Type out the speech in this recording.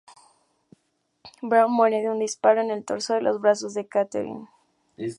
Braun muere de un disparo en el torso en los brazos de Catherine.